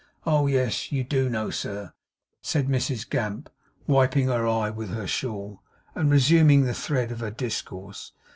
Oh yes, you do know, sir,' said Mrs Gamp, wiping her eye with her shawl, and resuming the thread of her discourse.